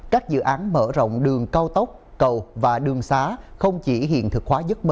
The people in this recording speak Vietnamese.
các dự án mở rộng đường cao tốc cầu và đường xá không chỉ hiện thực hóa giấc mơ